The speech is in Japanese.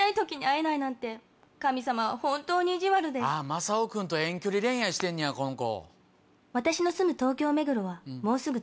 マサオ君と遠距離恋愛してんねやこの子。